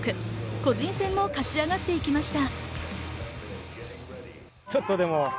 個人戦を勝ち上がっていきました。